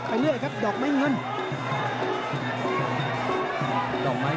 ติดตามยังน้อยกว่า